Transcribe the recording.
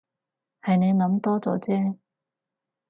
係你諗多咗啫